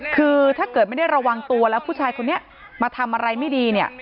คือถ้าเกิดไม่ได้ระวังตัวแล้วผู้ชายคนนี้มาทำอะไรไม่ดีเนี่ย